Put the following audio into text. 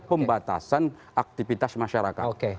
pembatasan aktivitas masyarakat oke